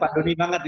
pak doni banget